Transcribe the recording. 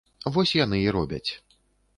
Вось яны і робяць.